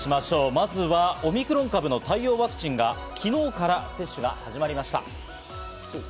まずはオミクロン株の対応ワクチンが昨日から接種が始まりました。